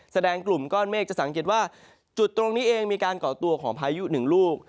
แสดงกลุ่มก้อนเมฆจะสังเกตว่าจุดตรงนี้เองมีการก่อตัวของพายุหนึ่งลูก